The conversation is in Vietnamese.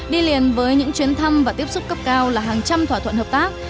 đi liền với những chuyến thăm và tiếp xúc cấp cao là hàng trăm thỏa thuận hợp tác